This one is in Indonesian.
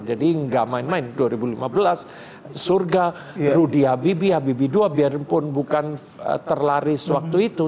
jadi ga main main dua ribu lima belas surga rudy habibie habibie dua biarpun bukan terlaris waktu itu